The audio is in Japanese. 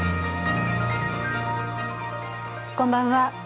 こんばんは。